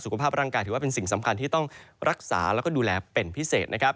ภาพร่างกายถือว่าเป็นสิ่งสำคัญที่ต้องรักษาแล้วก็ดูแลเป็นพิเศษนะครับ